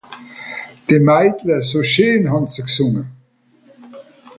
De Maidle se scheen, han se gsunge.